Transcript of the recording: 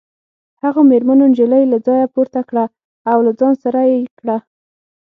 هغو مېرمنو نجلۍ له ځایه پورته کړه او له ځان سره یې کړه